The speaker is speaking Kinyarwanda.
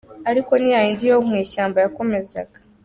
Ariko ni yayindi yo mw’ishyamba yakomezaga.